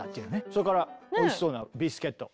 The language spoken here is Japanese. それからおいしそうなビスケット。